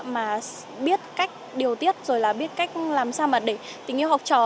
mà biết cách điều tiết rồi là biết cách làm sao mà để tình yêu học trò